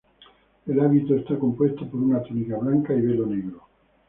El hábito está compuesto por una túnica blanca y velo negro.